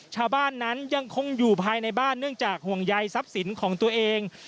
ชาวบ้านนั้นยังคงอยู่ภายในบ้านเนื่องจากห่วงใยทรัพย์สินของตัวเอง